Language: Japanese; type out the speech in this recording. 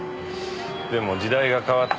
でも時代が変わった。